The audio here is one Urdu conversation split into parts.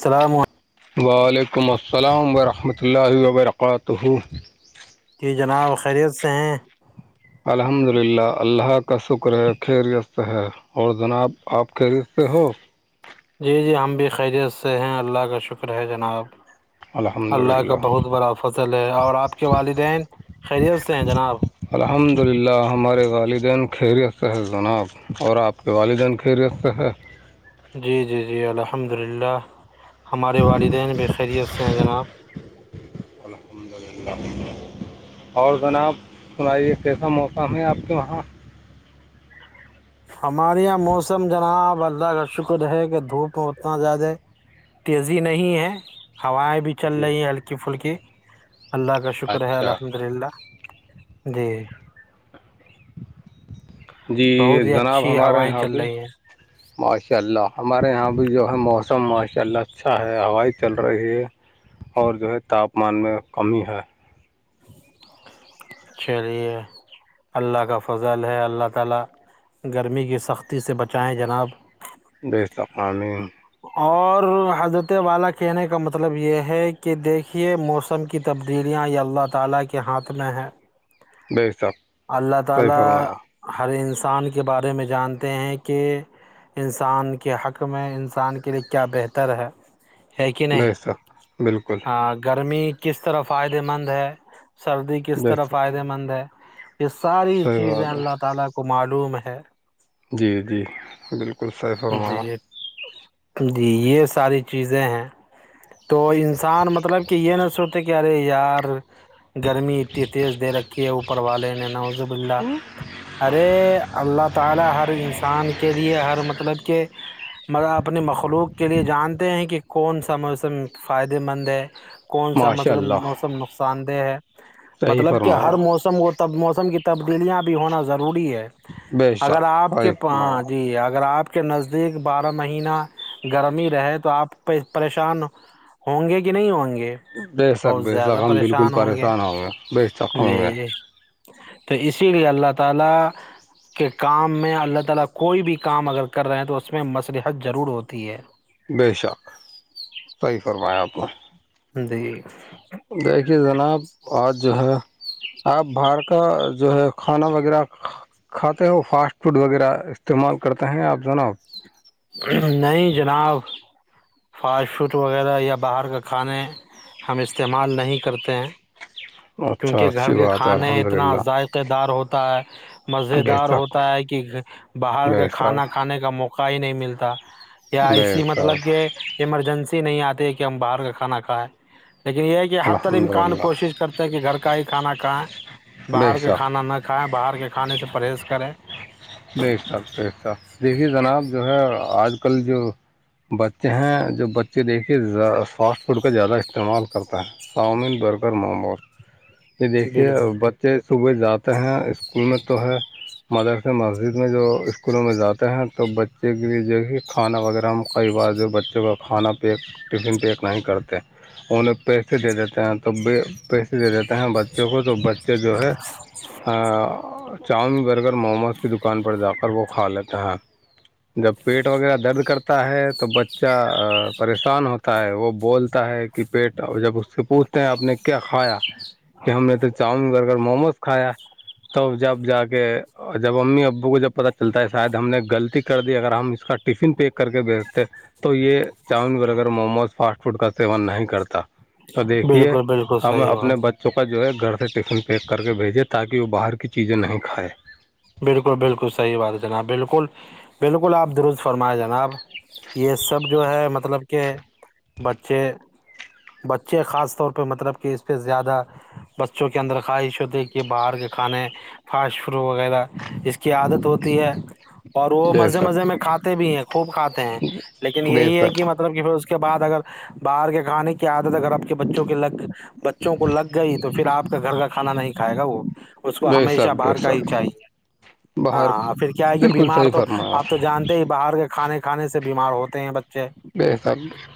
السلام علیکم وعلیکم السلام ورحمۃ اللہ وبرکاتہ جی جناب خیریت سے ہیں الحمد للہ اللہ کا شکر ہے خیریست ہے اور جناب آپ کیریت پہ ہو جی جی ہم بھی خیریت سے ہیں اللہ کا شکر ہے جناب الحمد اللہ کا للہ بہت بڑا فصل ہے اور آپ کے والدین خیریت سے ہیں جناب الحمد للہ ہمارے والدین خیریت سے ہے جناب اور آپ کے والدین خیریت سے ہیں جی جی جی الحمد للہ ہمارے والدین بھی خیریت سے ہیں جناب اور جناب سنائیے کیسا موسم ہے آپ کے وہاں ہمارے یہاں موسم جنابب اللہ کا شکر ہے کہ دھوپ میں اتنا زیادہ تیزی نہیں ہے ہوائیں بھی چل جی رہی ہلکی پھلکی اللہ کا شکر ہے اچھا الحمد للہ جی جی بہت ہی جناب اچھی ہمارے ہوائیں یہاں چل ابھی رہی ہیں ماشاء اللہ ہمارے یہاں بھی جو ہے موسم ماشاء اللہ اچھا ہے ہوائ چل رہی ہے اور جو ہے تاپمان میں کمی ہے [inaudible] چلیے اللہ کا فضل ہے اللہ تعالی گرمی کی سختی سے بچائیں جناب بےتقامین اور حضرت والا کہنے کا مطلب یہ ہے کہ دیکھیے موس ان کی تبدیلیاں یہ اللہ تعالی کے ہاتھ میں ہیں ب حساب اللہ تعالی ہر انسان کے بارے میں جانتے ہیں کہ انسان کے حق میں انسان کے لیے کیا بہتر ہے ہے کہ نہیں بے شک بالکل ہ گرمی کس طرح فائدے مند ہے سردی کس بے طرح شک فائدے مند ہے یہ ساری صحیح چیزیں بات ہے اللہ تعالی کو معلوم ہے جی جی بالکل صحیح جی فرمایا جی یہ ساری چیزیں ہیں تو انسان مطلب کہ یہ نہ سوچتے کہ ارے یار گرمی اتنی تیز دے رکھی ہے اوپر والے نے نوازب اللہ ارے اللہ تعالی ہر انسان کے لیے ہر مطلب کہ مگر اپنی مخلوق کے لیے جانتے ہیں کہ کون سا موسم فائدے مند ہے کون سا ماشاء مطلب اللہ موسم نقصان دہ ہے صحیح مطلب کہ فرمایا ہر موسم موسم کو تب موسم کی تبدیلیاں بھی ہونا ضروری ہے بے اگر شک آپ صحیح فرمایا کےاں جی اگر آپ کے نزدیک بارہ مہینہ گرمی رہے تو آپ پریشان ہوں گے کہ نہیں ہوں گے بے شک بہت بے شک زیادہ ہم بالکل پریشان ہوں گے بے شک ہوں گے جی تو اسی لیے اللہ تعالی [unintelligible] بے شک صحیح فرمایا آپ کو ہ دیکھیے جناب آج جو ہے آپ باہر کا جو ہے کھانا وغیرہ کھاتے ہو فاسٹ فوڈ وغیرہ استعمال کرتے ہیں آپ جناب نہیں جناب فاسٹ فوٹ وغیرہ یا باہر کا کھانے ہم استعمال نہیں کرتے ہیں اچھا کیونکہ گھر اچھی کے بات ہے کھانے الحمد اتنا للہ ذائق دار ہوتا ہے مز بے دار شک ہوتا ہے کہ باہر کا بے شک کھانا کھانے کا موقع ق ہی نہیں ملتا یا بے ایسی مطلب شک کہ ایمرجنسی نہیں آتی ہے کہ ہم باہر کا کھانا کھائائے لیکن یہ ہے کہ حتی الحمد الامکان للہ کوشش کرتے ہیں کہ گھر کا ہی کھانا کھائیں بے باہر کا شک کھانا نہ کھائیں باہر کے کھانے سے پرہیز کریں بے شک بے شک دیکھیے جناب جو ہے آج کل جو بچے ہیں جو بچے دیکھ کے فاسٹ فوڈ کا زیادہ استعمال کرتے ہیں چاؤمین برگر موموز یہ دیکھیے بالکل بچے صبح جاتے ہیں اسکول میں تو ہے مدرسہ جسے مسجد میں جو اسکولوں میں جاتے ہیں تو بچے کے لیے جو کہ کھانا وغیرہ ہم کئی بار جو بچوں کو کھانا پیک ٹفن پیک نہیں کرتے انہیں پیسے دے دیتے ہیں تو پیسے دے دیتے ہیں بس دیکھو تو بچے جو ہے چاؤمین برگر موموز کی دکان پر جا کر وہ کھا لیتا ہے جب پیٹ وغیرہ درد کرتا ہے تو بچہ پریشان ہوتا ہے وہ بولتا ہے پیٹ اور جب اس سے پوچھتے ہیں آپ نے کیا کھایا کہ ہم نے تو چاؤمن برگر موموز کھایا تو جب جا کے جب امی ابو کو جب پتہ چلتا ہے شاید ہم نے غلطی کر دی اگر ہم اس کا ٹفن پیک کر کے بیچتے تو یہ chowmein burger momos fast food کا سیوا نہیں کرتا تو دیکھیے بالکل بالکل ہمیں صحیح اپنے بات بچے کا جو ہے گھر سے ٹفن پیک کر کے بھیجے تاکہ وہ باہر کی چیزیں نہیں کھائے بالکل بالکل صحیح بات ہے جناب بالکل بالکل آپ درست فرمائے جناب یہ سب جو ہے مطلب کہ بچے بچے خاص طور پہ مطلب کہ اس پہ زیادہ بچوں کے اندر خواہش ہوتی ہے کہ باہر کے کھانے فاسٹ فوڈ وغیرہ اس کی عادت ہوتی ہے اور وہ بے مزے شک مزے میں کھاتے بھی ہیں خوب کھاتے ہیں لیکن بے یہی ہے شک کہ مطلب کہ پھر اس کے بعد اگر باہر کے کھانے کی عادت اگر آپ کے بچوں کے لگ بچوں کو لگ گئی تو پھر آپ کا گھر کا کھانا نہیں کھائے گا وہ اس کو بے ہمیشہ شک بے باہر کا ہی شک چاہیے باہر ہاں پھر کیا ہے یہ بالکل بیمار صحیح تو فرمایا آپ تو جانتے ہی باہر کے کھانے کا کھانے سے بیمار ہوتے ہیں بچے بے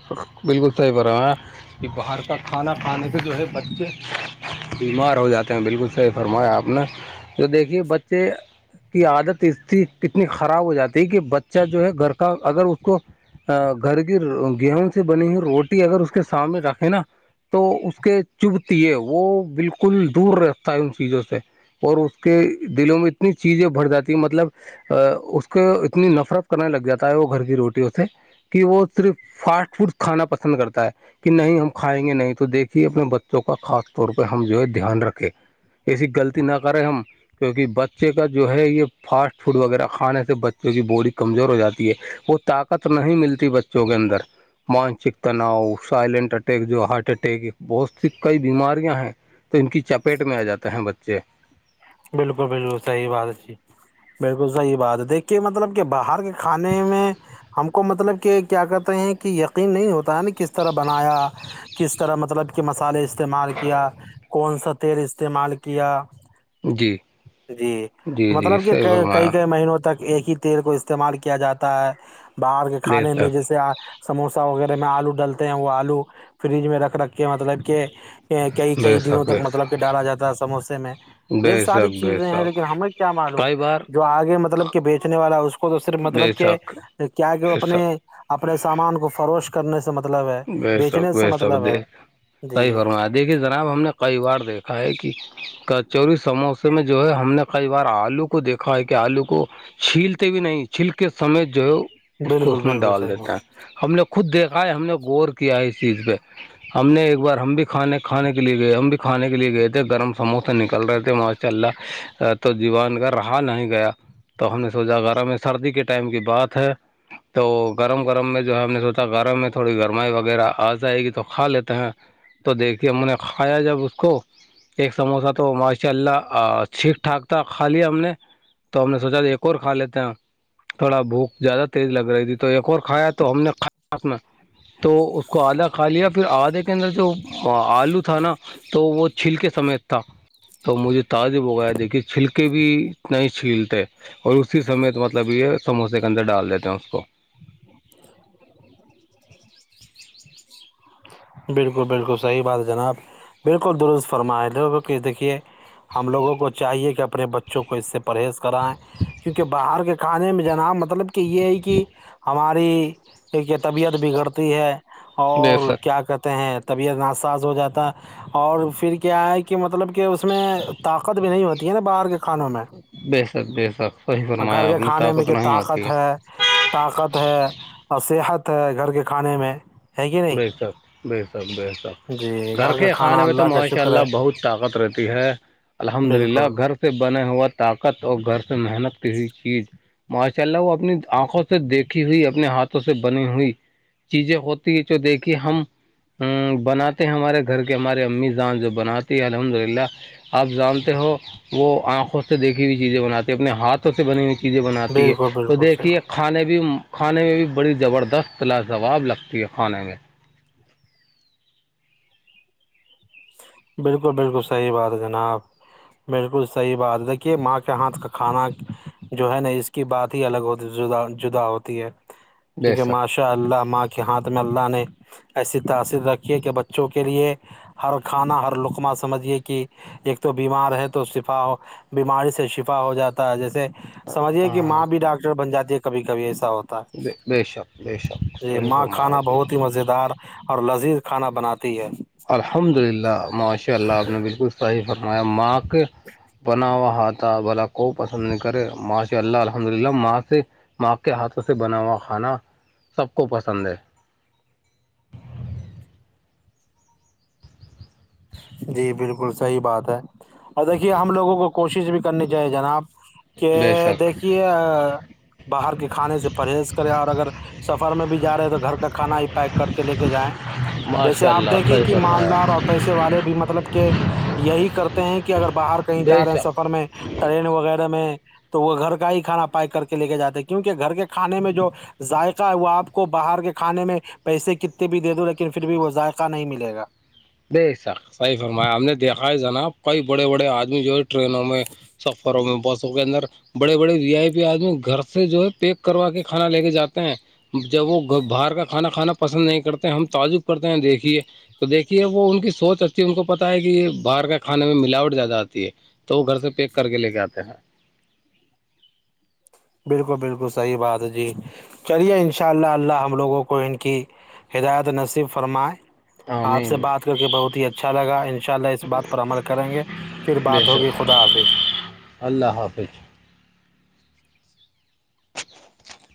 شک بالکل صحیح فرمایا کہ باہر کا کھانا کھانے سے جو ہے بچے بیمار ہو جاتے ہیں بالکل صحیح فرمایا آپ نے جو دیکھیے بچے کی عادت اس اتنی خراب ہو جاتی ہے کہ بچہ جو ہے گھر کا اگر اس کو گھر کی گیہوں سے بنی ہوئی روٹی اگر اس کے سامنے رکھے نا تو اس کے چبھتیے ہے وہ بالکل دور رہتا ہے ان چیزوں سے اور اس کے دلوں میں اتنی چیزیں بھر جاتی مطلب اس کو اتنی نفرت کرنے لگ جاتا ہے وہ گھر کی روٹی سے کہ وہ صرف فاسٹ فوڈ کھانا پسند کرتا ہے کہ نہیں ہم کھائیں گے نہیں تو دیکھیے اپنے بچوں کا خاص طور پہ ہم جو ہے دھیان رکھے ایسی غلطی نہ کریں ہم کیونکہ بچے کا جو ہے یہ فاسٹ فوڈ وغیرہ کھانے سے بچوں کی باڈی کمزور ہو جاتی ہے وہ تاقت قت نہیں ملتی بچوں کے اندر مانسک تناؤ سائلینٹ اٹیک جو ہارٹ اٹیک بہت سی کئی بیماریاں ہیں تو ان کی چپیٹ میں آ جاتے ہیں بچے بالکل بالکل صحی باتچی بالکل صحیح بات ہے دیکھیے مطلب کہ باہر کے کھانے میں ہم کو مطلب کہ کیا کہتے ہیں کہ یقین نہیں ہوتا ہے نا کس طرح بنایا کس طرح مطلب کہ مسالحے استعمال کیا کون سا تیل استعمال کیا جی جی جی جی مطلب کہ صحیح کئی فرمایا کئی مہینوں تک ایک ہی تیل کو استعمال کیا جاتا ہے باہر کے دیر کھانے میں تک جیسے سموسا وغیرہ میں آلو ڈالتے ہیں وہ آلو فریج میں رکھ رکھے مطلب کہ کئی کئی بے دنوں شک بے تک مطلب شک کہ ڈالا جاتا ہے سموسے میں یہ بے ساری شک بے چیزیں ہیں شک لیکن ہمیں کیا معلوم کئی بار جو آگے مطلب کہ بیچنے والا ہے اس کو تو صرف بے مطلب کہ شک کیا کہ وہ بے اپنے شک اپنے سامان کو فروشت کرنے سے مطلب ہے بے بیچنے شک سے بے شک مطلب دے ہے جی صحیح فرمایا دیکھیے جناب ہم نے کئی بار دیکھا ہے کہ کچوری سموسے میں جو ہے ہم نے کئی بار آلو کو دیکھا ہے کہ آلو کو چھیلتے بھی نہیں چھیل کے سمے جو ہے اس کو بالکل اس میں بالکل ڈال صحیح دیتے ہیں ہم لوگ خود دیکھا ہے ہم نے غور کیا ہے اس چیز پہ ہم نے ایک بار ہم بھی کھانے کھانے کے لیے گئے ہم بھی کھانے کے لیے گئے تھے گرم سموسے نکل رہے تھے ما چل رہ تو دییوان کا رہا نہیں گیا تو ہم نے سوچا گغارہ میں سردی کے ٹائم کی بات ہے تو گرم گرم میں جو ہے ہم نے سوچا گرم میں تھوڑی گرم وغیرہ آ جائے گی تو کھا لیتے ہیں تو دیکھیے میں نے کھایا جب اس کو ایک سموسہ تو ماشاء اللہ ٹھیک ٹھاک تھا کھا لیا ہم نے تو ہم نے سوچا تھا ایک اور کھا لیتے ہیں تھوڑا بھوک زیادہ تیز لگ رہی تھی تو ایک اور کھایا تو ہم نے کھ میں تو اس کو آدھا کھا لیا پھر آدھے کے اندر جو آلو تھا نا تو وہ چھیل کے سمے تھا تو مجھے تازے بغیا دیکھیے چھلکے بھی نہیں چھیلتے اور اسی سمے تو مطلب یہ سموسے کے اندر ڈال دیتے ہیں اس کو [unintelligible] بالکل بالکل صحیح بات ہے جناب بالکل درست فرمائے لو دیکھیے ہم لوگوں کو چاہیے کہ اپنے بچے بچوں کو اس سے پرہیز کرائیں کیونکہ باہر کے کھانے میں جناب مطلب کہ یہ ہے کہ ہماری کہ طبیعت بگڑتی ہے بے اور شک کیا کہتے ہیں طبیعت ناسااز ہو جاتا اور پھر کیا ہے کہ مطلب کہ کہ اس میں طاقت بھی نہیں ہوتی ہے نا باہر کے کھانوں میں بے سک بے سک اور گھر کے کھانے میں کہ طاقت ہے طاقت ہے اور صحت ہے گھر کے کھانے میں ہے کہ نہیں بے سک بے سک بے سک جی گھر کے کا کھانے کھانا میں تو اللہ کا ماشاء شکر اللہ ہے بہت طاقت رہتی ہے الحمد للہ بالکل گھر سے بنے ہوا طاقت اور گھر سے محنت کی ہوئی چیز ماشاء اللہ وہ اپنی آنکھوں سے دیکھی ہوئی اپنے ہاتھوں سے بنی ہوئی چیزیں ہوتی جو دیکھی ہم ہ بناتے ہیں ہمارے گھر کے ہماراریے امی جان جو بناتی الحمد للہ آپ جانتے ہو وہ آنکھوں سے دیکھی ہوئی چیزیں بناتی ہیں اپنے ہاتھوں سے بنی ہوئی چیزیں بناتی ہے بالکل تو بالکل صحیح دیکھیے کھانے بھی کھانے میں بھی بڑی زبردست لاجواب لگتی ہے کھانے میں بالکل بالکل صحیح بات ہے جناب بالکل صحیح بات دیکھیے ماں کے ہاتھ کا کھانا جو ہے نا اس کی بات ہی الگ ہوتی جدہ جدہ ہوتی ہے [inaudible] ٹھیک ہے اللہ ماں کے ہاتھ میں اللہ نے ایسی تاثیر رکھی ہے کہ بچوں کے لیئے ہر کھانا ہر لقمہ سمجھیے کہ ایک تو بیمار ہے تو شفا ہو بیماری سے شفا ہو جاتا تا جیسے سمجھیے کہ ہاں ماں بھی ڈاکٹر بن جاتی ہے کبھی کبھی ایسا ہوتا بے شک بے شک جی صحیح ماں فرمایا کھانا آپ نے بہت ہی مزے دار اور لذیذ کھانا بناتی ہے الحمد للہ ماشاء اللہ آپ نے بالکل صحیح فرمایا ماں کے بنا ہوا ہاتھ تا بھلا کون پسند نہیں کرے ماشاءاللہ الحمد للہ ماں سے ماں کے ہاتھوں سے بنا ہوا کھانا سب کو پسند ہے جی بالکل صحیح بات ہے اور دیکھیے ہم لوگوں کو کوشش بھی کرنی چاہیے جناب کہ بے شک دیکھیے باہر کے کھانے سے پرہیز کرے اور اگر سفر میں بھی جا رہے ہیں تو گھر کا کھانا ہی پیک کر کے لے کے جائیں جیسے ماشاء آپ اللہ دیکھیں صحیح کہ فرمایا مالدار اور پیسے والے بھی مطلب کہ یہی کرتے ہیں کہ اگر باہر کہیں جا بے رہے ہیں شک سفر میں ٹرین وغیرہ میں تو وہ گھر کا ہی کھانا پیک کر کے لے کے جاتے کیونکہ گھر کے کھانے میں جو ذائقہ ہے وہ آپ کو باہر کے کھانے میں پیسے کتنے بھی دے دووں لیکن پھر بھی وہ ذائقہ نہیں ملے گا بے شک صحیح فرمایا آپ نے دیکھا ہے جناب کئی بڑے بڑے آدمی جو ہے ٹرینوں میں سفروں میں بسوں کے اندر بڑے بڑے وی آئی پی آدمی گھر سے جو ہے پیک کروا کے کھانا لے کے جاتے ہیں جب وہ باہر کا کھانا کھانا پسند نہیں کرتے ہم تعجب کرتے ہیں دیکھیے تو دیکھیے وہ ان کی سوچ آچتی ہے ان کو پتتا ہے کہ باہر کا کھانے میں ملاوٹ زیادہ آتی ہے تو وہ گھر سے پیک کر کے لے کے آتے ہیں بالکل بالکل صحیح بات ہے جی چلیے انشاءاللہ اللہ ہم لوگوں کو ان کی ہدایت نصیب فرمائے آپ سے آمین بات کر کے بہت ہی اچھا لگا انشاء اللہ اس بات پر عمل کریں گے پھر بے بات ہوگئی شک خدا حافظ اللہ حافظ